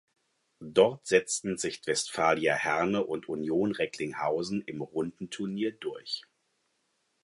Dort setzten sich Westfalia Herne und Union Recklinghausen im Rundenturnier durch.